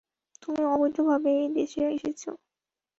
তুমি অবৈধভাবে এই দেশে এসেছ।